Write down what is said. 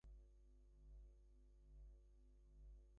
Yennefer became Ciri's mentor and teacher.